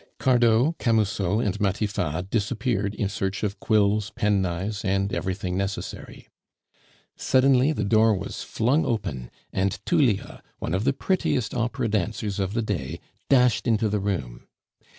Cardot, Camusot, and Matifat disappeared in search of quills, penknives, and everything necessary. Suddenly the door was flung open, and Tullia, one of the prettiest opera dancers of the day, dashed into the room.